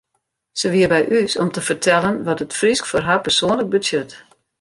Se wie by ús om te fertellen wat it Frysk foar har persoanlik betsjut.